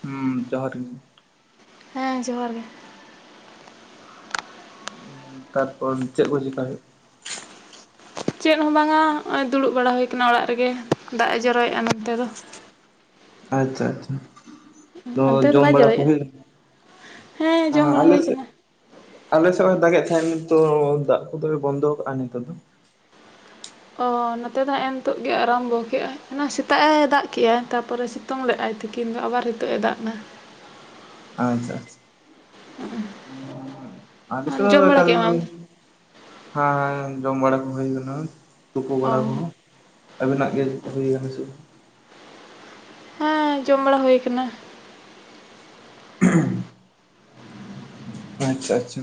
ᱦᱮᱸ ᱡᱚᱦᱟᱨ ᱜᱮ ᱦᱮᱸ ᱡᱚᱦᱟᱨ ᱜᱮ ᱛᱟᱨᱯᱚᱨ ᱪᱮᱫ ᱠᱚ ᱪᱤᱠᱟᱭ ᱦᱩᱭᱩᱜ ᱪᱮᱫ ᱦᱚᱸ ᱵᱟᱝᱟ ᱱᱚᱜᱼᱚᱭ ᱫᱩᱲᱩᱵ ᱵᱟᱲᱟ ᱦᱩᱭ ᱠᱟᱱᱟ ᱚᱲᱟᱜ ᱨᱮᱜᱮ ᱫᱟᱜ ᱮ ᱡᱚᱨᱚᱭᱮᱫᱼᱟ ᱱᱚᱱᱛᱮ ᱫᱚ ᱟᱪᱪᱷᱟ ᱟᱪᱪᱷᱟ ᱚᱱᱛᱮ ᱫᱚ ᱡᱚᱢ ᱵᱟᱭ ᱵᱟᱲᱟ ᱠᱚ ᱡᱚᱨᱚᱭᱮᱫᱼᱟ ᱦᱮᱸ ᱦᱩᱭᱩᱜᱼᱟ ᱡᱚᱢ ᱵᱟᱲᱟ ᱟᱞᱮ ᱦᱩᱭ ᱥᱮᱫ ᱟᱠᱟᱱᱟ ᱟᱞᱮ ᱥᱮᱫ ᱦᱚᱸᱭ ᱫᱟᱜᱮᱫ ᱛᱟᱸᱦᱮᱫ ᱱᱤᱛ ᱫᱚ ᱫᱟᱜ ᱠᱚᱫᱚᱭ ᱵᱚᱱᱫᱚ ᱠᱟᱜᱼᱟ ᱱᱤᱛᱚᱜ ᱫᱚ ᱚᱻ ᱱᱚᱛᱮ ᱫᱚ ᱦᱮᱸᱻᱮ ᱱᱤᱛᱳᱜ ᱜᱮ ᱟᱨᱟᱢᱵᱚ ᱠᱮᱫᱮᱜᱟᱭ ᱚᱱᱟ ᱥᱮᱛᱟᱜ ᱮ ᱫᱟᱜ ᱠᱮᱼᱟ ᱛᱟᱨᱯᱚᱨᱮ ᱥᱤᱛᱩᱝ ᱞᱮᱼᱟᱭ ᱛᱤᱠᱤᱱ ᱫᱚ ᱟᱵᱟᱨ ᱦᱤᱛᱚᱜ ᱮ ᱫᱟᱜ ᱫᱟ [inaudible] ᱟᱪᱪᱷᱟ ᱟᱪᱪᱷᱟ [inaudible] ᱟᱞᱮ ᱥᱮ ᱦᱚᱸ ᱡᱚᱢ ᱵᱟᱲᱟ ᱚᱱᱠᱟ ᱠᱮᱜ ᱫᱚ ᱟᱢ ᱟᱢ? ᱦᱟᱸ ᱡᱚᱢ ᱵᱟᱲᱟ ᱠᱚ ᱦᱩᱭ ᱠᱟᱱᱟ ᱛᱩᱯᱩ ᱚ ᱵᱟᱲᱟ ᱠᱚᱦᱚᱸ ᱟᱵᱤᱱᱟᱜ ᱜᱮ ᱟᱪᱪᱷᱟ, ᱦᱩᱭ ᱟᱠᱟᱱᱟ ᱪᱮ ᱵᱟᱝ ᱦᱮᱸ ᱡᱚᱢ ᱵᱟᱲᱟ ᱦᱩᱭ ᱟᱠᱟᱱᱟ ᱦᱮᱸ ᱟᱪᱪᱷᱟ ᱟᱪᱪᱷᱟ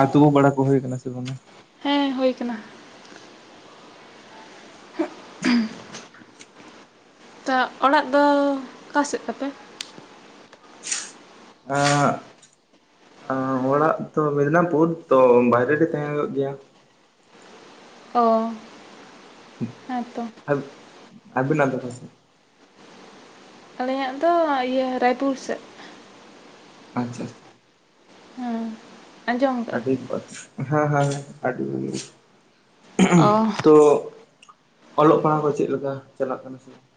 ᱟᱨ ᱛᱩᱯᱩ ᱵᱟᱲᱟ ᱠᱚ ᱦᱩᱭ ᱠᱟᱱᱟ ᱥᱮ ᱵᱟᱝ ᱼᱟ ᱦᱮ ᱦᱩᱭ ᱠᱟᱱᱟ ᱛᱟ ᱚᱲᱟᱜ ᱫᱚ ᱚᱠᱟ ᱥᱮᱫ ᱛᱟᱯᱮ ᱟᱜ ᱟᱸ ᱚᱲᱟᱜ ᱛᱚ ᱢᱮᱫᱽᱱᱟᱯᱩᱨ ᱛᱚ ᱵᱟᱭᱨᱮ ᱨᱮ ᱛᱟᱸᱦᱮ ᱦᱩᱭᱩᱜ ᱜᱮᱭᱟ ᱚ ᱦᱮᱸᱛᱚ ᱟᱵᱤᱱᱟᱜ ᱫᱚ ᱚᱠᱟᱥᱮᱡ ᱟᱞᱮᱭᱟᱜ ᱫᱚ ᱮᱭᱟᱹ ᱨᱟᱭᱯᱩᱨ ᱥᱮᱫ ᱟᱪᱪᱷᱟ ᱟᱪᱷᱟ ᱦᱮᱸ ᱟᱸᱡᱚᱢ ᱟᱠᱟᱜᱼᱟ ᱟᱹᱰᱤ ᱵᱟ ᱦᱮᱸ ᱦᱮᱸ ᱟᱹᱰᱤ ᱚ ᱛᱚ ᱚᱞᱚᱜ ᱯᱟᱲᱦᱟᱜ ᱠᱚ ᱪᱮᱫ ᱞᱮᱠᱟ ᱪᱟᱞᱟᱜ ᱠᱟᱱᱟ ᱥᱮ ᱵᱟᱝ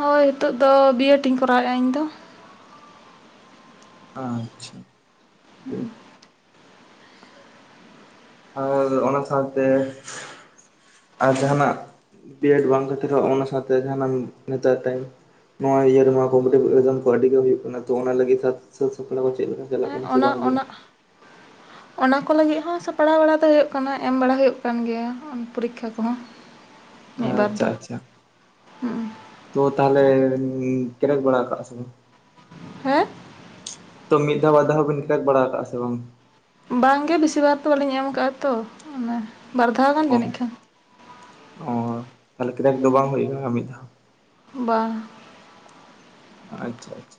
ᱦᱳᱭ ᱱᱤᱛᱚᱜᱜ ᱫᱚ ᱵᱤᱮᱰ ᱤᱧ ᱠᱚᱨᱟᱣᱮᱫᱼᱟ ᱤᱧ ᱫᱚ ᱟᱪᱪᱷᱟ ᱟᱨ ᱚᱱᱟ ᱥᱟᱶᱛᱮ ᱟᱨ ᱡᱟᱸᱦᱟᱱᱟᱜ ᱵᱤᱭᱮᱰ ᱵᱟᱝ ᱠᱷᱟᱹᱛᱤᱨ ᱨᱮᱦᱚᱸ ᱚᱱᱟ ᱥᱟᱶᱛᱮ ᱡᱟᱦᱟᱱᱟᱜ ᱱᱮᱛᱟᱨ ᱱᱚᱣᱟ ᱤᱭᱟᱹ ᱨᱮᱦᱚᱸ ᱠᱚᱢᱯᱤᱴᱤᱵᱷ ᱮᱠᱡᱟᱢ ᱠᱚ ᱟᱹᱰᱤ ᱜᱮ ᱦᱩᱭᱩᱜ ᱠᱟᱱᱟ ᱛᱚ ᱚᱱᱟ ᱞᱟᱹᱜᱤᱫ ᱥᱟᱹᱛ ᱥᱟᱯᱲᱟᱣ ᱠᱚ ᱪᱮᱫ ᱞᱮᱠᱟ ᱪᱟᱞᱟᱜ ᱦᱮᱸ ᱠᱟᱱᱟ ᱥᱮ ᱚᱱᱟ ᱵᱟᱝᱵᱤᱱ ᱚᱱᱟ ᱚᱱᱟ ᱠᱚ ᱞᱟᱹᱜᱤᱫ ᱦᱚᱸ ᱥᱟᱯᱲᱟᱣ ᱵᱟᱲᱟ ᱫᱚ ᱦᱩᱭᱩᱜ ᱠᱟᱱᱟ ᱮᱢ ᱵᱟᱲᱟ ᱦᱩᱭᱩᱜ ᱠᱟᱱ ᱜᱮᱭᱟ ᱯᱚᱨᱤᱠᱠᱷᱟ ᱠᱚᱦᱚᱸ ᱢᱤᱫ ᱵᱟᱨ ᱟᱪᱪᱷᱟ ᱫᱚ ᱟᱪᱪᱷᱟ ᱦᱩᱸ ᱛᱚ ᱛᱟᱦᱚᱞᱮ ᱠᱨᱮᱠ ᱵᱟᱲᱟ ᱠᱟᱜᱼᱟ ᱥᱮ ᱵᱟᱝ ᱦᱮᱸ ᱛᱚ ᱢᱤᱫ ᱫᱷᱟᱣ ᱵᱟᱨ ᱫᱷᱟᱣ ᱵᱤᱱ ᱠᱨᱮᱠ ᱵᱟᱲᱟ ᱠᱟᱜᱼᱟ ᱥᱮ ᱵᱟᱝ ᱵᱟᱝᱜᱮ ᱵᱮᱥᱤ ᱵᱟᱨ ᱛᱚ ᱵᱟᱹᱞᱤᱧ ᱮᱢ ᱠᱟᱜᱼᱟ ᱛᱚ ᱚᱱᱟ ᱵᱟᱨ ᱫᱷᱟᱣ ᱚ ᱜᱟᱱ ᱡᱟᱹᱱᱤᱡ ᱠᱷᱟᱱ ᱚ ᱛᱟᱦᱞᱮ ᱠᱨᱮᱠ ᱫᱚ ᱵᱟᱝ ᱦᱩᱭ ᱠᱟᱱᱟ ᱢᱤᱫ ᱫᱷᱟᱣ ᱵᱟ ᱟᱪᱪᱷᱟ ᱟᱪᱪᱷᱟ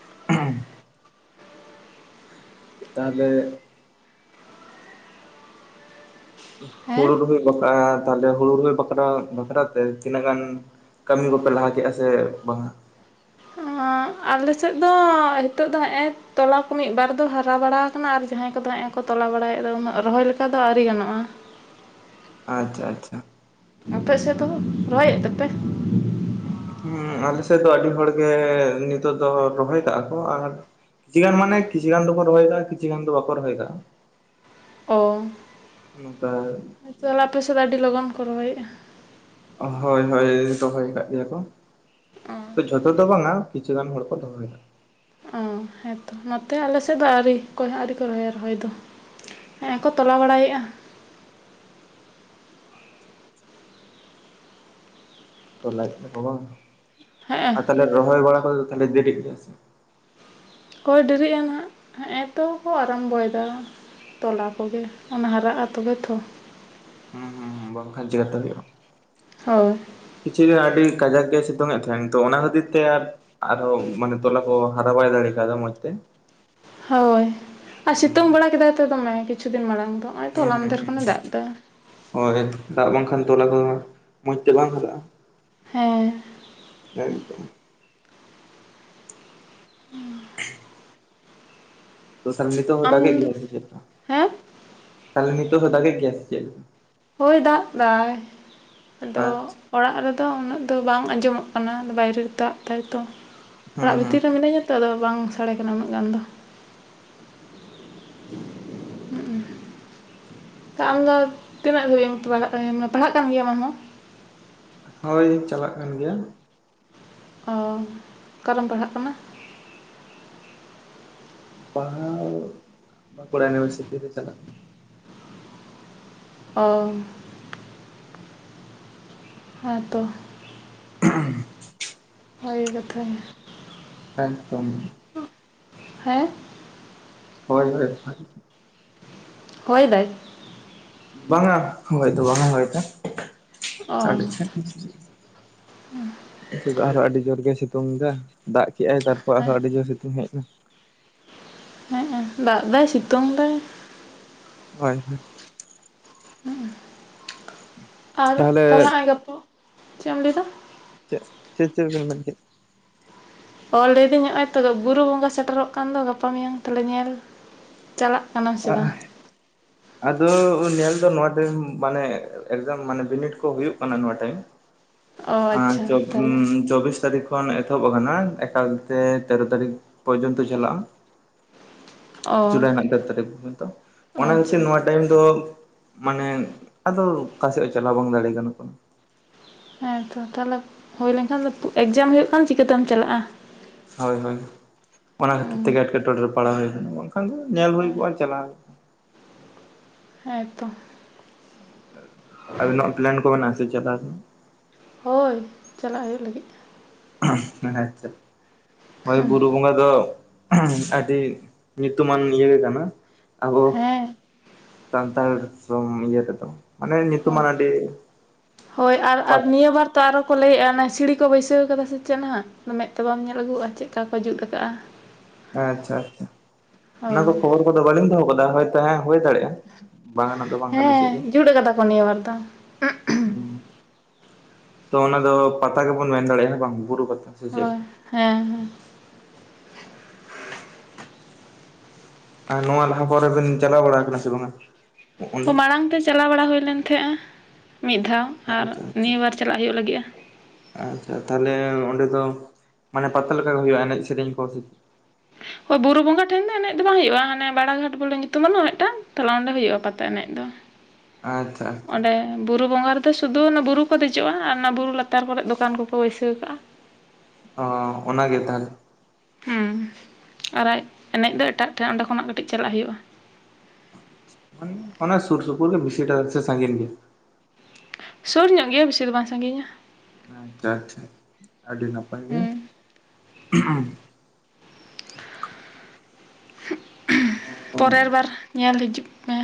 [unintelligible] ᱛᱟᱦᱞᱮ ᱦᱩᱲᱩ ᱦᱮᱸ ᱨᱚᱦᱚᱭ ᱵᱟᱠᱷᱨᱟ ᱛᱟᱦᱞᱮ ᱦᱩᱲᱩ ᱨᱚᱦᱚᱭ ᱵᱟᱠᱷᱨᱟ ᱵᱟᱠᱷᱨᱟᱛᱮ ᱛᱤᱱᱟᱹᱜ ᱜᱟᱱ ᱠᱟᱹᱢᱤ ᱠᱚᱯᱮ ᱞᱟᱦᱟ ᱠᱮᱜᱼᱟ ᱥᱮ ᱵᱟᱝᱟ [unintelligible] ᱟᱞᱮ ᱥᱮᱫ ᱫᱚ ᱱᱤᱛᱚᱜ ᱫᱚ ᱦᱮᱜ ᱮ ᱛᱚᱞᱟ ᱠᱚ ᱢᱤᱫ ᱵᱟᱨ ᱫᱚ ᱦᱟᱨᱟ ᱵᱟᱲᱟ ᱟᱠᱟᱱᱟ ᱟᱨ ᱡᱟᱦᱟᱸᱭ ᱠᱚᱫᱚ ᱦᱮᱜ ᱛᱚᱞᱟ ᱵᱟᱲᱟᱭᱮᱫ ᱫᱚ ᱩᱱᱟᱹᱜ ᱨᱚᱦᱚᱭ ᱞᱮᱠᱟ ᱫᱚ ᱟᱹᱣᱨᱤ ᱜᱟᱱᱚᱜᱼᱟ ᱟᱪᱪᱷᱟ ᱟᱪᱪᱷᱟ ᱟᱯᱮ ᱥᱮᱫ ᱦᱚᱸ ᱨᱚᱦᱚᱭᱮᱫ ᱛᱮᱯᱮ ᱦᱮᱸ ᱟᱞᱮ ᱥᱮᱫ ᱫᱚ ᱟᱹᱰᱤ ᱦᱚᱲᱜᱮ ᱱᱤᱛᱚᱜ ᱫᱚ ᱨᱚᱦᱚᱭ ᱠᱟᱜᱼᱟ ᱠᱚ ᱟᱨ ᱠᱤᱪᱷᱩ ᱜᱟᱱ ᱢᱟᱱᱮ ᱠᱤᱪᱷᱩ ᱜᱟᱱ ᱫᱚᱠᱚ ᱨᱚᱦᱚᱭ ᱠᱟᱫᱟ ᱟᱨ ᱠᱤᱪᱷᱩ ᱜᱟᱱ ᱫᱚ ᱵᱟᱠᱚ ᱨᱚᱦᱚᱭ ᱠᱟᱫᱟ ᱚ ᱱᱚᱝᱠᱟ ᱛᱟᱦᱚᱞᱮ ᱟᱯᱮ ᱥᱮᱫ ᱫᱚ ᱟᱹᱰᱤ ᱞᱚᱜᱚᱱ ᱠᱚ ᱨᱚᱦᱚᱭᱼᱟ ᱦᱳᱭ ᱦᱳᱭ ᱨᱚᱦᱚᱭ ᱠᱟᱜ ᱜᱮᱭᱟ ᱠᱚ ᱛᱚ ᱡᱷᱚᱛᱚ ᱫᱚ ᱵᱟᱝᱟ ᱠᱤᱪᱷᱩ ᱜᱟᱱ ᱦᱚᱲ ᱠᱚ ᱨᱚᱦᱚᱭᱟ ᱚ ᱦᱮᱸᱛᱚ ᱱᱚᱛᱮ ᱟᱞᱮ ᱥᱮᱫ ᱫᱚ ᱟᱹᱣᱨᱤ ᱚᱠᱚᱭ ᱦᱚᱸ ᱟᱹᱣᱨᱤ ᱠᱚ ᱨᱚᱦᱚᱭᱟ ᱨᱚᱦᱚᱭ ᱫᱚ ᱦᱮ ᱠᱚ ᱛᱚᱞᱟ ᱵᱟᱲᱟᱭᱮᱫᱼᱟ ᱜᱚᱴᱟᱭ ᱟᱠᱚ ᱵᱟᱝ ᱦᱮᱸᱜᱼᱮ ᱟᱨ ᱛᱟᱦᱚᱞᱮ ᱨᱚᱦᱚᱭ ᱵᱟᱲᱟ ᱛᱟᱞᱟ ᱫᱚ ᱛᱟᱦᱚᱞᱮ ᱵᱮᱨᱮᱫᱟ ᱮᱱᱟ ᱥᱮ ᱵᱟᱝ ᱦᱳᱭ ᱰᱮᱨᱤᱜᱼᱟ ᱦᱟᱜ ᱱᱚᱜ ᱛᱚ ᱠᱚ ᱟᱨᱟᱢ ᱵᱚᱭᱮᱫᱟ ᱛᱚᱞᱟ ᱠᱚᱜᱮ ᱚᱱᱟ ᱦᱟᱨᱟᱜᱼᱟ ᱛᱚᱵᱮ ᱛᱚ ᱦᱩᱸ ᱦᱩᱸ ᱵᱟᱝ ᱠᱷᱟᱸᱪ ᱠᱟᱛ ᱦᱩᱭᱩᱜ ᱵᱟᱝ ᱦᱳᱭ ᱠᱤᱪᱤᱜ ᱜᱟᱱ ᱟᱹᱰᱤ ᱠᱟᱡᱟᱠ ᱜᱮ ᱥᱤᱛᱩᱝ ᱮᱫ ᱛᱟᱦᱮᱸᱱ ᱛᱚ ᱚᱱᱟ ᱠᱷᱟᱹᱛᱤᱨ ᱛᱮ ᱟᱨ ᱟᱨᱦᱚᱸ ᱢᱟᱱᱮ ᱛᱚᱞᱟ ᱠᱚ ᱦᱟᱨᱟ ᱵᱟᱲᱟᱭ ᱫᱟᱲᱮ ᱠᱟᱣᱫᱟ ᱢᱚᱸᱡᱽ ᱛᱮ ᱛᱮ ᱦᱳᱭ ᱟᱨ ᱥᱤᱛᱩᱝ ᱵᱟᱲᱟ ᱠᱮᱫᱟᱭ ᱛᱚ ᱫᱚᱢᱮ ᱠᱤᱪᱷᱩ ᱫᱤᱱ ᱢᱟᱲᱟᱝ ᱟᱫᱚ ᱱᱚᱜᱼᱚᱭ ᱛᱚ ᱦᱩᱸ ᱦᱚᱞᱟ ᱦᱩᱸ ᱢᱟᱫᱷᱮᱨ ᱦᱩᱸ ᱠᱷᱚᱱᱮ ᱫᱟᱜ ᱮᱫᱟ ᱦᱳᱭ ᱫᱟᱜ ᱵᱟᱝᱠᱷᱟᱱ ᱛᱚᱞᱟ ᱠᱚ ᱢᱚᱸᱡᱽ ᱛᱮ ᱵᱟᱝ ᱦᱟᱨᱟᱜᱼᱟ ᱦᱮᱸ ᱮᱠ ᱫᱚᱢ ᱛᱚ ᱛᱟᱦᱞᱮ ᱱᱤᱛᱚᱜ ᱦᱚᱭ ᱟᱢ ᱫᱟᱜ ᱮᱫ ᱜᱮᱭᱟᱭ ᱥᱮ ᱪᱮᱫ ᱦᱮᱸ ᱛᱟᱦᱚᱞᱮ ᱱᱤᱛᱚᱜ ᱦᱚᱭ ᱫᱟᱜ ᱮᱫ ᱜᱮᱭᱟᱭ ᱥᱮ ᱪᱮᱫ ᱦᱳᱭ ᱫᱟᱜ ᱫᱟᱭ ᱟᱫᱚ ᱟᱪᱪᱷᱟ ᱚᱲᱟᱜ ᱨᱮᱫᱚ ᱩᱱᱟᱹᱜ ᱫᱚ ᱵᱟᱝ ᱟᱸᱡᱚᱢᱚᱜ ᱠᱟᱱᱟ ᱵᱟᱭᱨᱮ ᱨᱮ ᱫᱟᱜ ᱫᱟᱭᱛᱚ ᱦᱩᱸ ᱚᱲᱟᱜ ᱦᱩᱸ ᱵᱷᱤᱛᱤᱨ ᱨᱮ ᱢᱤᱱᱟᱹᱧᱟ ᱛᱚ ᱟᱫᱚ ᱵᱟᱝ ᱥᱟᱰᱮ ᱠᱟᱱᱟ ᱩᱱᱟᱹᱜ ᱜᱟᱱ ᱫᱚ ᱟᱢᱫᱚ ᱛᱤᱱᱟᱹᱜ ᱫᱷᱟᱹᱵᱤᱡ ᱯᱟᱲᱦᱟᱜ ᱠᱟᱱ ᱜᱮᱭ ᱟᱢᱦᱚᱸ ᱦᱳᱭ ᱪᱟᱞᱟᱜ ᱠᱟᱱ ᱜᱮᱭᱟ ᱚ ᱚᱠᱟᱨᱮᱢ ᱯᱟᱲᱦᱟᱜ ᱠᱟᱱᱟ ᱯᱟᱲᱟᱣ ᱵᱟᱸᱠᱩᱲᱟ ᱩᱱᱤᱵᱷᱟᱨᱥᱤᱴᱤ ᱪᱟᱞᱟᱜ ᱚ ᱦᱮᱸ ᱛᱚ [unintelligible] ᱵᱷᱟᱜᱮ ᱠᱟᱛᱷᱟ ᱜᱮ ᱮᱠᱫᱚᱢ ᱦᱮᱸ ᱦᱳᱭ ᱦᱳᱭ ᱦᱳᱭ ᱦᱳᱭ ᱵᱟᱭ ᱵᱟᱝᱟ ᱦᱳᱭᱛᱚ ᱵᱟᱝᱟ ᱦᱳᱭ ᱫᱟᱭ ᱚ ᱟᱨᱚ ᱟᱹᱰᱤ ᱡᱳᱨ ᱜᱮ ᱥᱤᱛᱩᱝ ᱮ ᱫᱟᱜ ᱠᱮᱫᱮᱜᱟᱭ ᱛᱟᱨᱯᱚᱨ ᱦᱮᱸ ᱟᱨᱦᱚᱸ ᱟᱹᱰᱤ ᱡᱳᱨ ᱥᱤᱛᱩᱝ ᱦᱮᱡ ᱮᱱᱟ ᱦᱮᱸ ᱫᱟᱜ ᱫᱟᱭ ᱥᱤᱛᱩᱝ ᱫᱟᱭ ᱦᱳᱭ ᱦᱳᱭ ᱦᱮᱸ ᱟᱨ ᱛᱟᱦᱚᱞᱮ ᱛᱟᱞᱟ ᱟᱡ ᱜᱟᱯᱚ ᱪᱮᱫ ᱮᱢ ᱞᱟᱹᱭᱟ ᱪᱮᱫ ᱪᱮᱫ ᱢᱮᱱ ᱢᱮ ᱚᱞ ᱞᱤᱫᱤ ᱧᱚᱜᱼ ᱟᱭ ᱛ ᱵᱩᱨᱩ ᱵᱚᱸᱜᱟ ᱥᱮᱴᱮᱨᱚᱜ ᱠᱟᱱ ᱫᱚ ᱜᱟᱯᱟ ᱢᱮᱭᱟᱝ ᱛᱟᱞᱮ ᱧᱮᱞ ᱪᱟᱞᱟᱜ ᱠᱟᱱᱟ ᱥᱮ ᱵᱟᱝ ᱟᱫᱚ ᱧᱮᱞ ᱫᱚ ᱱᱚᱣᱟ ᱴᱟᱭᱤᱢ ᱢᱟᱱᱮ ᱮᱠᱡᱟᱢ ᱢᱟᱱᱮ ᱵᱤᱱᱤᱰ ᱠᱚ ᱦᱩᱭᱩᱜ ᱠᱟᱱᱟ ᱱᱚᱣᱟ ᱴᱟᱭᱤᱢ ᱚ ᱟᱨ ᱟᱪᱪᱷᱟ ᱪᱚᱵ ᱛᱟᱦᱚᱞᱮ ᱪᱚᱵᱽᱵᱤᱥ ᱛᱟᱨᱤᱠᱷ ᱠᱷᱚᱱ ᱮᱛᱚᱦᱚᱵ ᱟᱠᱟᱱᱟ ᱮᱠᱟᱞᱛᱮ ᱛᱮᱨᱚ ᱛᱟᱹᱨᱤᱠᱷ ᱯᱚᱨᱡᱚᱱᱛᱚ ᱪᱟᱞᱟᱜᱼᱟ ᱚ ᱡᱩᱞᱟᱭ ᱨᱮᱱᱟᱜ ᱛᱮᱲ ᱛᱟᱹᱨᱤᱠᱷ ᱫᱚ ᱚᱱᱟ ᱟᱪᱪᱷᱟ ᱠᱷᱟᱹᱛᱤᱨ ᱱᱚᱣᱟ ᱴᱟᱭᱤᱢ ᱫᱚ ᱢᱟᱱᱮ ᱟᱫᱚ ᱚᱠᱟ ᱥᱮᱫ ᱪᱟᱞᱟᱣ ᱵᱟᱝ ᱫᱟᱲᱮ ᱜᱟᱱᱚᱜ ᱠᱟᱱᱟ ᱦᱮᱸᱛᱚ ᱛᱟᱦᱞᱮ ᱦᱩᱭ ᱞᱮᱱᱠᱷᱟᱱ ᱮᱠᱡᱟᱢ ᱦᱩᱭᱩᱜ ᱠᱷᱟᱱ ᱪᱤᱠᱟᱹᱛᱮᱢ ᱪᱟᱞᱟᱜᱼᱟ ᱦᱳᱭ ᱦᱳᱭ ᱚᱱᱟ ᱚ ᱠᱷᱟᱹᱛᱤᱨ ᱛᱮᱜᱮ ᱮᱴᱠᱮᱴᱚᱬᱮ ᱨᱮ ᱯᱟᱲᱟᱣ ᱦᱩᱭ ᱠᱟᱱᱟ ᱠᱷᱟᱱ ᱜᱮ ᱧᱮᱞ ᱦᱩᱭ ᱠᱚᱜᱼᱟ ᱦᱮᱸ ᱪᱟᱞᱟᱣ ᱦᱮᱸᱛᱚ ᱵ ᱯᱞᱟᱱ ᱠᱚ ᱢᱮᱱᱟᱜ ᱥᱮᱪᱮᱛᱟ ᱦᱳᱭ ᱪᱟᱞᱟᱜ ᱦᱩᱭᱩᱜ ᱞᱟᱹᱜᱤᱫ ᱟᱪᱪᱷᱟ ᱳᱭ ᱵᱩᱨᱩ ᱵᱚᱸᱜᱟ ᱫᱚ ᱟᱹᱰᱤ ᱧᱩᱛᱩᱢᱟᱱ ᱤᱭᱟᱹ ᱜᱮ ᱠᱟᱱᱟ ᱟᱵᱚ ᱦᱮᱸ ᱥᱟᱱᱛᱟᱲ ᱥᱚᱢ ᱮᱫ ᱛᱚ ᱦᱭ ᱦᱳᱭ ᱟᱨ ᱯᱟᱛ ᱟᱨ ᱱᱤᱭᱟᱹ ᱵᱟᱨ ᱛᱚ ᱟᱨᱚ ᱠᱚ ᱞᱟᱹᱭᱮᱫᱼᱟ ᱚᱱᱟ ᱥᱤᱲᱤ ᱠᱚ ᱵᱟᱹᱭᱥᱟᱹᱣ ᱠᱟᱫᱟ ᱥᱮᱪᱮᱫ ᱦᱟᱸᱜ ᱢᱮᱫ ᱛᱮ ᱵᱟᱢ ᱧᱮᱞ ᱟᱹᱜᱩᱭᱼᱟ ᱪᱮᱫᱠᱟ ᱠᱚ ᱡᱩᱛ ᱟᱠᱟᱟᱜᱼᱟ ᱟᱪᱪᱷᱟ ᱟᱪᱪᱷᱟ ᱚᱱᱟ ᱠᱚ ᱠᱷᱚᱵᱚᱨ ᱠᱚᱫᱚ ᱵᱟᱹᱞᱤᱧ ᱫᱚᱦᱚ ᱠᱟᱫᱟ ᱦᱳᱭᱛᱚ ᱦᱮᱸ ᱦᱩᱭ ᱫᱟᱲᱮᱭᱟᱜᱼᱟ ᱵᱟᱝᱱᱟᱜ ᱫᱚ ᱵᱟᱝ ᱠᱟᱱᱟ ᱪᱮᱫ ᱦᱮᱸ ᱜᱮ ᱡᱩᱛ ᱠᱟᱫᱟ ᱠᱚ ᱱᱤᱭᱟᱹ ᱵᱟᱨ ᱫᱚ ᱦ ᱛᱚ ᱚᱱᱟ ᱫᱚ ᱯᱟᱛᱟ ᱜᱮᱵᱚᱱ ᱢᱮᱱ ᱫᱟᱲᱮᱭᱟᱜᱼᱟ ᱵᱟᱝ ᱵᱩᱨᱩ ᱯᱟᱛᱟ ᱥᱮ ᱪᱮᱫ ᱦᱳᱭ ᱞᱮᱠᱟ ᱦᱮᱸ ᱦᱮᱸ ᱟᱨ ᱱᱚᱣᱟ ᱞᱟᱦᱟ ᱯᱚᱨᱮ ᱵᱤᱱ ᱪᱟᱞᱟᱣ ᱵᱟᱲᱟ ᱠᱟᱱᱟ ᱥᱮ ᱵᱟᱝᱟ ᱚᱸᱰᱮ ᱢᱟᱲᱟᱝ ᱛᱮ ᱪᱟᱞᱟᱣ ᱵᱟᱲᱟ ᱦᱩᱭ ᱞᱮᱱ ᱛᱟᱦᱮᱸᱼᱟ ᱢᱤᱫ ᱫᱷᱟᱣ ᱟᱨ ᱟᱪᱪᱷᱟ ᱟᱪᱪᱷᱟ ᱱᱤᱭᱩ ᱵᱟᱨ ᱪᱟᱞᱟᱜ ᱦᱩᱭᱩᱜ ᱞᱟᱹᱜᱤᱫᱼᱟ ᱟᱨ ᱛᱟᱦᱞᱮ ᱚᱸᱰᱮ ᱫᱚ ᱢᱟᱱᱮ ᱯᱟᱛᱟ ᱞᱮᱠᱟ ᱜᱮ ᱦᱩᱭᱩᱜᱼᱟ ᱮᱱᱮᱡ ᱥᱮᱨᱮᱧ ᱠᱚ ᱥᱮ ᱦᱳᱭ ᱵᱩᱨᱩ ᱵᱚᱸᱜᱟ ᱴᱷᱮᱱ ᱫᱚ ᱮᱱᱮᱡ ᱫᱚ ᱵᱟᱝ ᱦᱩᱭᱩᱜᱼᱟ ᱦᱟᱱᱮ ᱵᱟᱲᱟ ᱜᱷᱟᱴ ᱵᱚᱞᱮ ᱧᱩᱛᱩᱢ ᱵᱟᱱᱩᱜᱼᱟ ᱢᱤᱫᱴᱟᱝ ᱛᱟᱞᱮ ᱚᱸᱰᱮ ᱦᱩᱭᱩᱜᱼᱟ ᱯᱟᱛᱟ ᱮᱱᱮᱡ ᱫᱚ ᱟᱪᱪᱷᱟ ᱟᱪᱪᱷᱟ ᱚᱸᱰᱮ ᱵᱩᱨᱩ ᱵᱚᱸᱜᱟ ᱨᱮ ᱛᱚ ᱥᱩᱫᱩ ᱚᱱᱟ ᱵᱩᱨᱩ ᱠᱚ ᱫᱮᱡᱚᱜᱼᱟ ᱟᱨ ᱚᱱᱟ ᱵᱩᱨᱩ ᱞᱟᱛᱟᱨ ᱠᱚᱨᱮᱜ ᱫᱚᱠᱟᱱ ᱠᱚᱠᱚ ᱵᱟᱹᱭᱥᱟᱹᱣ ᱠᱟᱜᱼᱟ ᱚ ᱚᱱᱟᱜᱮ ᱛᱟᱦᱚᱞᱮ ᱦᱮᱸ ᱟᱨ ᱮᱱᱮᱡ ᱫᱚ ᱮᱴᱟᱜ ᱴᱮᱱ ᱚᱱᱰᱮ ᱠᱷᱚᱱᱟᱜ ᱠᱟᱹᱴᱤᱡ ᱪᱟᱞᱟᱜ ᱦᱩᱭᱩᱜᱼᱟ ᱚᱱᱟ ᱥᱩᱨ ᱥᱩᱯᱩᱨ ᱜᱮ ᱵᱮᱥᱤᱴᱟ ᱥᱮ ᱥᱟᱸᱜᱤᱧ ᱜᱮ ᱥᱩᱨ ᱧᱚᱜ ᱜᱮᱭᱟ ᱵᱮᱥᱤ ᱫᱚ ᱵᱟᱝ ᱥᱟᱸᱜᱤᱧᱟ ᱟᱪᱪᱷᱟ ᱟᱪᱪᱷᱟ ᱟᱹᱰᱤ ᱱᱟᱯᱟᱭ ᱜᱮ ᱦᱩᱸ ᱯᱚᱨᱮᱨ ᱵᱟᱨ ᱧᱮᱞ ᱦᱤᱡᱩᱜ ᱢᱮ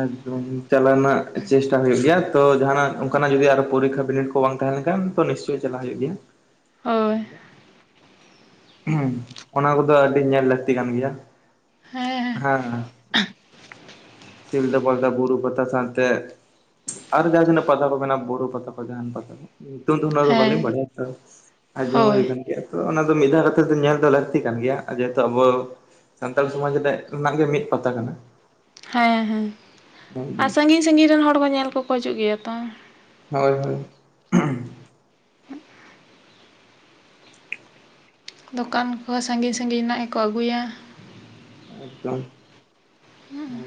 ᱮᱠᱫᱚᱢ ᱪᱟᱞᱟᱜ ᱨᱮᱱᱟᱜ ᱪᱮᱥᱴᱟ ᱦᱩᱭᱩᱜ ᱜᱮᱭᱟ ᱛᱚ ᱡᱟᱦᱱᱟᱜ ᱚᱱᱠᱟᱱᱟᱜ ᱡᱩᱫᱤ ᱟᱨ ᱯᱚᱨᱤᱠ ᱵᱤᱱᱤᱰ ᱠᱚ ᱵᱟᱝ ᱛᱟᱦᱮᱸ ᱞᱮᱱᱠᱷᱟᱱ ᱛᱚ ᱱᱤᱥᱪᱚᱭ ᱪᱟᱞᱟᱜ ᱦᱩᱭᱩᱜ ᱜᱮᱭᱟ ᱦᱚᱭ ᱚᱱᱟ ᱠᱚᱫᱚ ᱟᱹᱰᱤ ᱧᱮᱞ ᱞᱟᱹᱠᱛᱤ ᱠᱟᱱ ᱜᱮᱭᱟ ᱾ ᱦᱮᱸ ᱥᱤᱫᱟ ᱵᱟᱞᱫᱟ ᱵᱩᱨᱩ ᱯᱟᱛᱟ ᱥᱟᱱᱛᱮ᱾ ᱟᱨᱮ ᱡᱟᱦᱟ ᱛᱤᱱᱟᱹᱜ ᱯᱟᱛᱟ ᱠᱚ ᱢᱮᱱᱟᱜᱼᱟ ᱵᱩᱨᱩ ᱯᱟᱛᱟ ᱠᱚ ᱡᱟᱦᱟᱱ ᱯᱟᱛᱟ ᱠᱚ? ᱱᱤᱛᱚᱝ ᱫᱚ ᱚᱱᱟ ᱫᱚ ᱵᱟᱹᱞᱤᱝ ᱦᱮᱸ ᱵᱟᱲᱟᱭᱟ ᱛᱚ ᱟᱡᱚᱢ ᱦᱩᱭ ᱦᱳᱭ ᱠᱟᱱ ᱜᱮᱭᱟ ᱛᱚ ᱚᱱᱟ ᱛᱚ ᱢᱤᱫ ᱫᱷᱟᱣ ᱠᱟᱛᱮᱫᱚ ᱧᱮᱞ ᱫᱚ ᱞᱟᱹᱠᱛᱤ ᱠᱟᱱ ᱜᱮᱭᱟ ᱡᱮᱦᱮᱛᱩ ᱟᱵᱚ ᱥᱟᱱᱛᱟᱲ ᱥᱚᱢᱟᱡᱽ ᱨᱮᱭᱟᱜ ᱨᱮᱱᱟᱜ ᱜᱮ ᱢᱤᱫ ᱯᱟᱛᱟ ᱠᱟᱱᱟ ᱾ ᱦᱮᱸ ᱦᱮᱸ ᱟᱨ ᱥᱟᱺᱜᱤᱧ ᱥᱟᱺᱜᱤᱧ ᱨᱮᱱ ᱦᱚᱲ ᱠᱚ ᱧᱮᱞ ᱠᱚᱠᱚ ᱦᱤᱡᱩᱜ ᱜᱮᱭᱟ ᱛᱚ᱾ ᱦᱚᱭ ᱦᱚᱭ ᱫᱚᱠᱟᱱ ᱠᱚ ᱥᱟᱺᱜᱤᱧ ᱥᱟᱺᱜᱤᱧ ᱨᱮᱱᱟᱜ ᱜᱮᱠᱚ ᱟᱹᱜᱩᱭᱟ ᱾ ᱮᱠᱫᱚᱢ ᱦᱩᱸ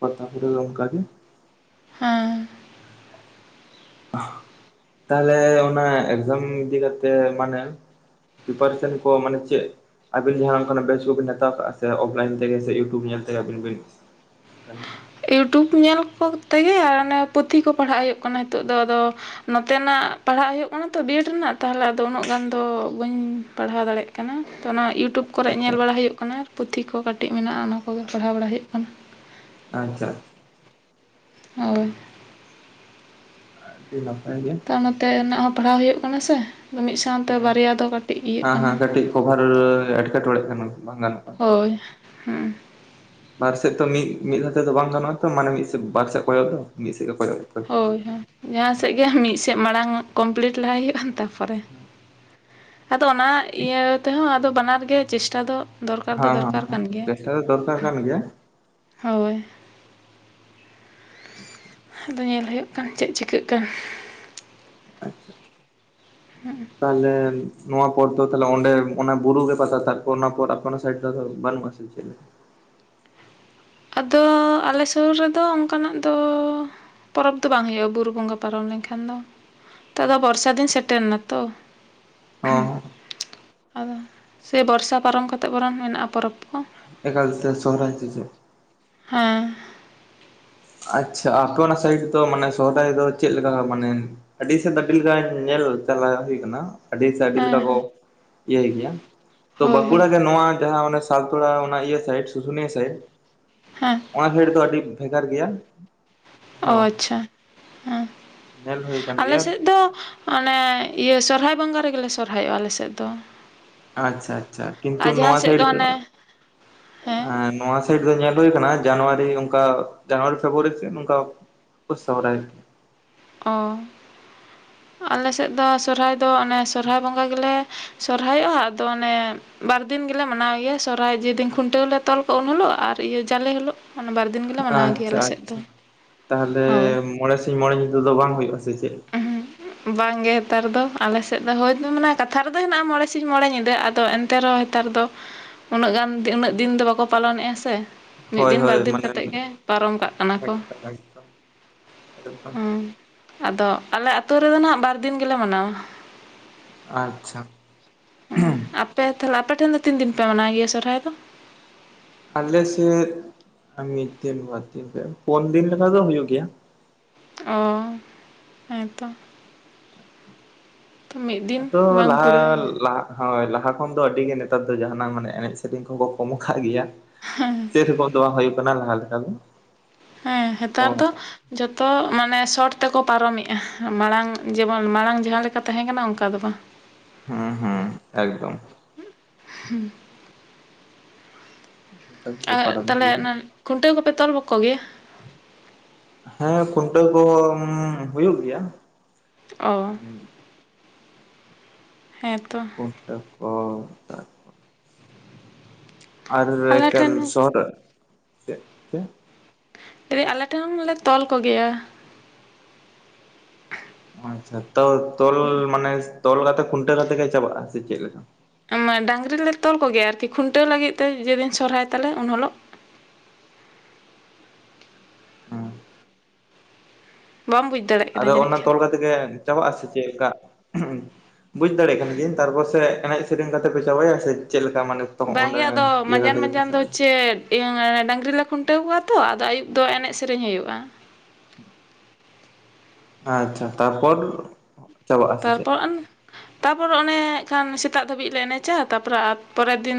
ᱯᱟᱛᱟ ᱯᱚᱨ ᱫᱚ ᱚᱱᱠᱟᱜ ᱜᱮ ᱦᱮᱸ ᱛᱟᱦᱚᱞᱮ ᱚᱱᱟ ᱮᱠᱡᱟᱢ ᱤᱫᱤ ᱠᱟᱛᱮ ᱢᱟᱱᱮ ᱯᱨᱤᱯᱟᱨᱮᱥᱚᱱ ᱠᱚ ᱢᱟᱱᱮ ᱪᱮᱫ ᱟᱹᱵᱤᱱ ᱡᱟᱦᱟᱸ ᱚᱱᱠᱟᱱᱟᱜ ᱵᱮᱪ ᱠᱚᱵᱤᱱ ᱦᱟᱛᱟᱣ ᱠᱟᱜᱼᱟ ᱥᱮ ᱚᱯᱷᱞᱟᱭᱤᱱ ᱛᱮᱜᱮ ᱥᱮ ᱤᱭᱩᱴᱩᱵᱽ ᱧᱮᱞ ᱛᱮᱜᱮ ᱟᱹᱵᱤᱱ ᱵᱤᱱ [unintelligible] ᱤᱭᱩᱴᱩᱵᱽ ᱧᱮᱞ ᱠᱚᱛᱮᱜᱮ ᱟᱨ ᱚᱱᱮ ᱯᱩᱛᱷᱤ ᱠᱚ ᱯᱟᱲᱦᱟᱜ ᱦᱩᱭᱩᱜ ᱠᱟᱱᱟ ᱱᱤᱛᱚᱜ ᱫᱚ ᱟᱫᱚ ᱱᱚᱛᱮᱱᱟᱜ ᱯᱟᱲᱦᱟᱜ ᱦᱩᱭᱩᱜ ᱠᱟᱱᱟ ᱛᱚ ᱵᱤᱭᱮᱰ ᱨᱮᱱᱟᱜ ᱛᱟᱦᱚᱞᱮ ᱟᱫᱚ ᱩᱱᱟᱹᱜ ᱜᱟᱱ ᱫᱚ ᱵᱟᱹᱧ ᱯᱟᱲᱦᱟᱣ ᱫᱟᱲᱭᱟᱜ ᱠᱟᱱᱟ ᱾ ᱛᱚ ᱚᱱᱟ ᱤᱭᱩᱴᱩᱵᱽ ᱠᱚᱨᱮ ᱟᱪᱪᱷᱟ ᱟᱪᱪᱷᱟ ᱧᱮᱞ ᱵᱟᱲᱟ ᱦᱩᱭᱩᱜ ᱠᱟᱱᱟ ᱯᱩᱛᱷᱤ ᱠᱚ ᱠᱟᱹᱴᱤᱡ ᱢᱮᱱᱟ-ᱟ ᱚᱱᱟ ᱠᱚᱜᱮ ᱯᱟᱲᱦᱟᱣ ᱵᱟᱲᱟ ᱦᱩᱭᱩᱜ ᱠᱟᱱᱟ ᱾ ᱟᱪᱪᱷᱟ ᱦᱚᱭ ᱟᱹᱰᱤ ᱱᱟᱯᱟ ᱛᱚ ᱱᱚᱛᱮ ᱨᱮᱱᱟᱜ ᱦᱚᱸ ᱯᱟᱲᱦᱟᱣ ᱦᱩᱭᱩᱜ ᱠᱟᱱᱟ ᱥᱮ ᱾ ᱢᱤᱫ ᱥᱟᱶᱛᱮ ᱦᱮᱸ ᱵᱟᱨᱭᱟ ᱫᱚ ᱠᱟᱹᱴᱤᱡ ᱤᱭᱟᱹᱜ ᱦᱮᱸ ᱠᱟᱱᱟ ᱦᱮᱸ ᱾ ᱠᱟᱹᱴᱤᱡ ᱠᱚᱵᱷᱟᱨ ᱮᱴᱠᱮᱴᱚᱬᱮᱜ ᱠᱟᱱᱟ ᱵᱟᱝ ᱜᱟᱱᱚᱜ ᱠᱟᱱᱟ ᱦᱚᱭ ᱦᱩᱸ ᱵᱟᱨ ᱥᱮᱫ ᱛᱚ ᱢᱤᱫ ᱢᱤᱫᱷᱟᱣ ᱛᱮ ᱫᱚ ᱵᱟᱝ ᱜᱟᱱᱚᱜᱼᱟ ᱛᱚ ᱢᱟᱱᱮ ᱢᱤᱫ ᱵᱟᱨ ᱥᱮᱡ ᱠᱚᱭᱚᱜ ᱫᱚ ᱢᱤᱫ ᱥᱮᱫ ᱜᱮ ᱠᱚᱭᱚᱜ ᱦᱩᱭᱩᱜ ᱛᱟᱵᱤᱱᱟ ᱦᱚᱭ ᱦᱚᱭ ᱡᱟᱦᱟᱸ ᱥᱮᱫ ᱜᱮ ᱢᱤᱫ ᱥᱮᱫ ᱢᱟᱲᱟᱝ ᱠᱚᱢᱯᱞᱤᱴ ᱞᱟᱦᱟᱭ ᱦᱩᱭᱩᱜᱼᱟ ᱛᱟᱨ ᱯᱚᱨᱮ ᱟᱫᱚ ᱚᱱᱟ ᱤᱭᱟᱹ ᱛᱮᱦᱚᱸ ᱟᱫᱚ ᱵᱟᱱᱟᱨ ᱜᱮ ᱪᱮᱥᱴᱟ ᱫᱚ ᱫᱚᱨᱠᱟᱨ ᱫᱚ ᱦᱮᱸ ᱦᱮᱸ ᱫᱚᱨᱠᱟᱨ ᱦᱮᱸ ᱠᱟᱱ ᱜᱮᱭᱟ ᱪᱮᱥᱴᱟ ᱫᱚ ᱫᱚᱨᱠᱟᱨ ᱠᱟᱱ ᱜᱮᱭᱟ ᱦᱚᱭ ᱟᱫᱚ ᱧᱮᱞ ᱦᱩᱭᱩᱜ ᱠᱟᱱ ᱪᱮᱫ ᱪᱤᱠᱟᱹᱜ ᱠᱟᱱ ᱟᱪᱪᱷᱟ [unintelligible] ᱱᱚᱣᱟ ᱯᱚᱨ ᱫᱚ ᱛᱟᱞᱦᱮ ᱚᱸᱰᱮ ᱚᱱᱟ ᱵᱩᱨᱩ ᱜᱮ ᱯᱟᱛᱟ ᱛᱟᱠᱚ ᱚᱱᱟ ᱯᱚᱨ ᱚᱱᱟ ᱥᱟᱭᱤᱰ ᱫᱚ ᱟᱫᱚ ᱵᱟᱹᱱᱩᱜ-ᱟ ᱥᱮ ᱪᱮᱫ? [inaudible] ᱟᱫᱚ ᱟᱞᱮ ᱥᱩᱨ ᱨᱮᱫᱚ ᱚᱱᱠᱟ ᱱᱟᱜ ᱫᱚ ᱯᱚᱨᱚᱵᱽ ᱫᱚ ᱵᱟᱝ ᱦᱩᱭᱩᱜᱼᱟ ᱵᱩᱨᱩ ᱵᱚᱸᱜᱟ ᱯᱟᱨᱚᱢ ᱞᱮᱱ ᱠᱷᱟᱱ ᱫᱚ ᱾ ᱱᱤᱛᱚᱜ ᱫᱚ ᱵᱚᱨᱥᱟ ᱫᱤᱱ ᱥᱮᱴᱮᱨ ᱮᱱᱟ ᱛᱚ? ᱦᱚᱸ ᱟᱫᱚ ᱥᱮ ᱵᱚᱨᱥᱟ ᱯᱟᱨᱚᱢ ᱠᱟᱛᱮᱫ ᱵᱚᱨᱚᱢ ᱢᱮᱱᱟᱜᱼᱟ ᱯᱚᱨᱚᱵᱽ? ᱠᱚ ᱮᱠᱟᱞ ᱛᱮ ᱥᱚᱦᱨᱟᱭ ᱥᱮ ᱪᱮᱫ? ᱦᱮᱸ ᱟᱪᱪᱷᱟ ᱟᱯᱮ ᱚᱱᱟ ᱥᱟᱭᱤᱰ ᱫᱚ ᱢᱟᱱᱮ ᱥᱚᱦᱨᱟᱭ ᱫᱚ ᱪᱮᱫ ᱞᱮᱠᱟ ᱢᱟᱱᱮ ᱟᱹᱰᱤ ᱥᱮᱫ ᱟᱹᱰᱤ ᱞᱮᱠᱟ ᱧᱮᱞ ᱪᱟᱞᱟᱜ ᱦᱩᱭ ᱠᱟᱱᱟ? ᱟᱹᱰᱤ ᱥᱮᱫ ᱟᱹᱰᱤ ᱦᱮᱸ ᱞᱮᱠᱟ ᱠᱚ ᱦᱮᱸ ᱤᱭᱟᱹᱭ ᱜᱮᱭᱟ ᱛᱚ ᱦᱳᱭ ᱦᱳᱭ ᱵᱟᱸᱠᱩᱲᱟ ᱜᱮ ᱱᱚᱣᱟ ᱡᱟᱦᱟᱸ ᱚᱱᱮ [unintelligible] ᱚᱱᱟ ᱤᱭᱟᱹ ᱥᱟᱭᱤᱰ ᱥᱩᱥᱩᱱᱤᱭᱟᱹ ᱥᱟᱭᱤᱰ ᱦᱮᱸ ᱚᱱᱟ ᱥᱟᱭᱤᱰ ᱫᱚ ᱟᱹᱰᱤ ᱵᱷᱮᱜᱟᱨ ᱜᱮᱭᱟᱱ ᱚ ᱟᱪᱪᱷᱟ ᱦᱮᱸ ᱧᱮᱞ ᱦᱩᱭ ᱟᱠᱟᱱ ᱟᱞᱮ ᱜᱮᱭᱟ ᱥᱮᱫ ᱫᱚ ᱚᱱᱮ ᱤᱭᱟᱹ ᱥᱚᱨᱦᱟᱭ ᱵᱚᱸᱜᱟ ᱨᱮᱜᱮ ᱥᱚᱨᱦᱟᱭᱚᱜᱼᱟ ᱟᱞᱮᱥᱮᱫ ᱫᱚ᱾ ᱟᱪᱪᱷᱟ ᱟᱪᱪᱷᱟ ᱠᱤᱱᱛᱩ ᱟᱨ ᱡᱟᱦᱟᱸ ᱱᱚᱣᱟ ᱥᱮᱫ ᱥᱟᱭᱤᱰ ᱫᱚ ᱚᱱᱮ ᱦᱮᱸ ᱱᱚᱣᱟ ᱥᱟᱭᱤᱴ ᱫᱚ ᱧᱮᱞ ᱦᱩᱭ ᱟᱠᱟᱱᱟ ᱡᱟᱱᱩᱣᱟᱨᱤ ᱚᱱᱠᱟ ᱡᱟᱱᱩᱣᱟᱨᱤ ᱯᱷᱮᱵᱽᱨᱩᱣᱟᱨᱤ ᱥᱮᱫ ᱚᱱᱠᱟ ᱠᱚ ᱥᱚᱦᱨᱟᱭᱚᱜ ᱜᱮᱭᱟ ᱚ ᱟᱞᱮ ᱥᱮᱫ ᱫᱚ ᱥᱚᱨᱦᱟᱭ ᱫᱚ ᱚᱱᱮ ᱥᱚᱨᱦᱟᱭ ᱵᱚᱸᱜᱟ ᱜᱮᱞᱮ ᱥᱚᱨᱦᱟᱭᱚᱜᱼᱟ ᱟᱫᱚ ᱚᱱᱮ ᱵᱟᱨ ᱫᱤᱱ ᱜᱮᱞᱮ ᱢᱟᱱᱟᱣ ᱜᱮᱭᱟ ᱥᱚᱨᱦᱟᱭ ᱡᱮᱫᱤᱱ ᱠᱷᱩᱱᱴᱟᱹᱣᱞᱮ ᱛᱚᱞ ᱠᱚᱼᱟ ᱩᱱ ᱦᱤᱞᱳᱜ ᱟᱨ ᱟᱨ ᱤᱭᱟᱹ ᱡᱟᱞᱮ ᱦᱤᱞᱳᱜ᱾ ᱚᱱᱟ ᱵᱟᱨ ᱫᱤᱱ ᱜᱮᱞᱮ ᱢᱟᱱᱟᱣ ᱜᱮᱭᱟ ᱟᱪᱪᱷᱟ ᱟᱞᱮ ᱥᱮᱫ ᱫᱚ ᱟᱪᱪᱷᱟ ᱛᱟᱦᱞᱮ ᱦᱳᱭ ᱢᱚᱬᱮ ᱥᱤᱧ ᱢᱚᱬᱮ ᱧᱤᱫᱟ ᱫᱚ ᱵᱟᱝ ᱦᱩᱭᱩᱜ-ᱟ ᱥᱮ ᱪᱮᱫ ᱵᱟᱝ ᱜᱮ ᱱᱮᱛᱟᱨ ᱫᱚ ᱟᱞᱮ ᱥᱮᱫ ᱫᱚ ᱦᱳᱭᱛ ᱢᱟᱱᱮ ᱠᱟᱛᱷᱟ ᱨᱮᱫᱚ ᱦᱮᱱᱟᱜᱼᱟ ᱢᱚᱬᱮ ᱥᱤᱧ ᱢᱚᱬᱮ ᱧᱤᱫᱟᱹ ᱟᱫᱚ ᱮᱱᱛᱮ ᱨᱮᱦᱚᱸ ᱱᱮᱛᱟᱨ ᱫᱚ ᱩᱱᱟᱹᱜ ᱜᱟᱱ ᱩᱱᱟᱹᱜ ᱫᱤᱱ ᱫᱚ ᱵᱟᱠᱚ ᱯᱟᱞᱚᱱᱮᱜᱼᱟ ᱥᱮ ᱢᱤᱫ ᱦᱳᱭ ᱫᱤᱱ ᱵᱟᱨ ᱦᱳᱭ ᱫᱤᱱ ᱢᱟᱱᱮ ᱠᱟᱛᱮᱜ ᱜᱮ ᱮᱠᱫᱚᱢ ᱯᱟᱨᱚᱢ ᱠᱟᱜ ᱠᱟᱱᱟ ᱠᱚ ᱮᱠᱫᱚᱢ ᱦᱮᱸ [inaudible] ᱟᱫᱚ ᱟᱞᱮ ᱟᱹᱛᱳ ᱨᱮᱫᱚ ᱱᱟᱦᱟᱜ ᱵᱟᱨ ᱫᱤᱱ ᱜᱮᱞᱮ ᱢᱟᱱᱟᱣᱟ᱾ ᱟᱪᱷᱟ ᱦᱮᱸᱻ ᱟᱯᱮ ᱛᱷᱟᱞᱮ ᱟᱯᱮ ᱴᱷᱮᱱ ᱫᱚ ᱛᱤᱱ ᱫᱤᱱ ᱯᱮ ᱢᱟᱱᱟᱣ ᱜᱮᱭᱟ ᱥᱚᱨᱦᱟᱭ ᱫᱚ? ᱟᱞᱮ ᱥᱮᱫ ᱢᱤᱫ ᱫᱤᱱ, ᱵᱟᱨ ᱫᱤᱱ, ᱯᱮ, ᱯᱩᱱ ᱫᱤᱱ ᱞᱮᱠᱟ ᱫᱚ ᱦᱩᱭᱩᱜ ᱜᱮᱭᱟ᱾ ᱳᱻ ᱦᱮᱸᱛᱚ ᱛᱚ ᱢᱤᱫ ᱫᱤᱱ ᱟᱛᱻᱫᱚ ᱵᱟᱝ ᱞᱟᱦᱟ ᱠᱩᱲᱟᱹᱜ ᱞᱟᱦᱟᱜ ᱦᱳᱭ ᱞᱟᱦᱟ ᱠᱷᱚᱱ ᱫᱚ ᱟᱹᱰᱤ ᱜᱮ ᱱᱮᱛᱟᱨ ᱫᱚ ᱡᱟᱦᱟᱱᱟᱝ ᱢᱟᱱᱮ ᱮᱱᱮᱡ ᱥᱮᱸᱨᱮᱸᱧ ᱠᱚᱠᱚ ᱠᱚᱢᱚᱜ ᱠᱟᱱ ᱜᱮᱭᱟ᱾ ᱥᱮᱨᱚᱠᱚᱢ ᱫᱚ ᱵᱟᱝ ᱦᱩᱭᱩᱜ ᱠᱟᱱᱟ ᱞᱟᱦᱟ ᱞᱮᱠᱟ ᱫᱚ᱾ ᱦᱮᱸ ᱦᱮᱛᱟᱨ ᱫᱚ ᱡᱚᱛᱚ ᱢᱟᱱᱮ ᱥᱚᱴ ᱛᱮᱠᱚ ᱯᱟᱨᱚᱢᱮᱜᱼᱟ, ᱢᱟᱲᱟᱝ ᱡᱮᱢᱚᱱ ᱢᱟᱲᱟᱝ ᱡᱟᱦᱟᱸ ᱞᱮᱠᱟ ᱛᱟᱦᱮᱸ ᱠᱟᱱᱟ ᱚᱱᱠᱟ ᱫᱚ ᱵᱟᱝ᱾ ᱦᱩᱸ ᱦᱩᱸ ᱮᱠᱫᱚᱢ ᱦᱮᱸ ᱚᱱᱠᱟ ᱜᱮᱠᱚ ᱟᱨ ᱯᱟᱨᱚᱢ ᱛᱟᱦᱚᱞᱮ ᱤᱫᱤᱭᱮᱫᱟ ᱚᱱᱮ ᱠᱷᱩᱱᱴᱟᱹᱣ ᱠᱩᱯᱮ ᱛᱚᱞ ᱠᱚ ᱜᱮᱭᱟ? ᱦᱮᱸ ᱠᱷᱩᱱᱴᱟᱹᱣ ᱠᱚ ᱦᱢᱢ ᱦᱩᱭᱩᱜ ᱜᱮᱭᱟ᱾ ᱚ ᱦᱮᱸᱛᱚ ᱠᱷᱩᱱᱴᱟᱹᱣ ᱠᱚ ᱟᱨ ᱟᱞᱮ ᱮᱠᱟᱞ ᱴᱷᱮᱱ ᱥᱚᱦᱚᱨ ᱪᱮ ᱪᱮᱫ [unintelligible] ᱟᱞᱮ ᱴᱷᱮᱱ ᱦᱚᱸᱞᱮ ᱛᱚᱞ ᱠᱚ ᱜᱮᱭᱟ ᱟᱪᱷᱟ ᱛᱚ ᱛᱚᱞ ᱢᱟᱱᱮ ᱛᱚᱞ ᱠᱟᱛᱮ ᱠᱷᱩᱱᱴᱟᱹᱣ ᱠᱟᱛᱮ ᱜᱮ ᱪᱟᱵᱟᱜᱼᱟ ᱥᱮ ᱪᱮᱫᱞᱮ ᱞᱮᱠᱟ? ᱟᱝᱜᱟ ᱰᱟᱝᱨᱤ ᱞᱮ ᱛᱚᱞ ᱠᱚᱜᱮᱭᱟ ᱟᱨᱠᱤ ᱠᱷᱩᱱᱴᱟᱹᱣ ᱞᱟᱹᱜᱤᱫ ᱛᱮ ᱡᱮᱫᱤᱱ ᱥᱚᱨᱦᱟᱭ ᱛᱟᱞᱮ ᱩᱱᱦᱩᱞᱳᱜ [inaudible] ᱦᱮᱸ ᱵᱟᱢ ᱵᱩᱡᱽ ᱫᱟᱲᱮᱭᱟᱜ ᱠᱟᱱᱟ ᱟᱫᱚ ᱡᱟᱹᱱᱤᱡ ᱚᱱᱟ ᱠᱷᱟᱱ᱾ ᱛᱚᱞ ᱠᱟᱛᱮᱜ ᱜᱮ ᱪᱟᱵᱟᱜ ᱟᱥᱮ ᱪᱮᱫᱞᱮᱠᱟ? ᱵᱩᱡ ᱫᱟᱲᱮᱭᱟᱜ ᱠᱟᱱ ᱜᱤᱭᱟᱹᱧ ᱛᱟᱨᱯᱚᱨ ᱮᱱᱮᱡ ᱥᱮᱨᱤᱧ ᱠᱟᱛᱮ ᱯᱮ ᱪᱟᱵᱟᱭᱟ ᱥᱮ? ᱪᱮᱫ ᱞᱮᱠᱟ ᱢᱟᱱᱮ ᱛᱚ ᱚᱸᱰᱮ ᱵᱟᱝᱜᱮ ᱟᱫᱚ ᱤᱭᱟᱹ ᱢᱟᱡᱟᱱ ᱠᱟᱛᱮ ᱜᱮᱯᱮ ᱢᱟᱡᱟᱱ ᱫᱚ ᱪᱟᱵᱟᱭᱟ ᱪᱮᱫ ᱤᱭᱟᱹ ᱰᱟᱝᱨᱤ ᱞᱮ ᱠᱷᱩᱱᱴᱟᱹᱣ ᱠᱚ ᱟᱻᱛᱚ ᱟᱫᱚ ᱟᱹᱭᱩᱵ ᱫᱚ ᱮᱱᱮᱡ ᱥᱮᱨᱤᱧ ᱦᱩᱭᱩᱜᱼᱟ᱾ ᱦᱮᱸ ᱟᱪᱪᱷᱟ ᱛᱟᱨᱯᱚᱨ? ᱪᱟᱵᱟᱜᱼᱟ ᱥᱮ ᱪᱮᱫ? ᱛᱟᱨᱯᱚᱨ ᱛᱟᱨᱯᱚᱨᱮ ᱚᱱᱮ ᱠᱷᱟᱱ ᱥᱮᱛᱟᱜ ᱫᱷᱟᱹᱵᱤᱡ ᱞᱮ ᱮᱱᱮᱡᱻᱟ ᱛᱟᱯᱚᱨᱮ ᱯᱚᱨᱮᱨ ᱫᱤᱱ